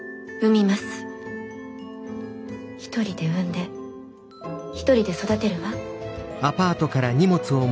一人で産んで一人で育てるわ。